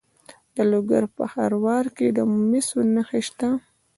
د لوګر په خروار کې د مسو نښې شته.